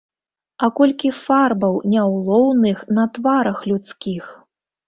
А колькі фарбаў няўлоўных на тварах людскіх!